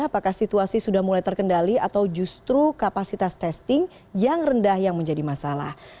apakah situasi sudah mulai terkendali atau justru kapasitas testing yang rendah yang menjadi masalah